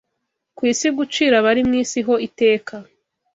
ku isi gucira abari mu isi ho iteka